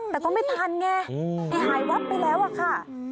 แต่ก็ไม่ทันไงไอ้หายวับไปแล้วอะค่ะ